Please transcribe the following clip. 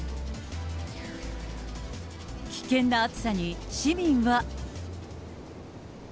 危険な暑さに市民は。